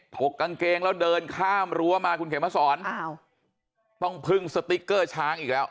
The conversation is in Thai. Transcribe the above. กกางเกงแล้วเดินข้ามรั้วมาคุณเขมสอนต้องพึ่งสติ๊กเกอร์ช้างอีกแล้ว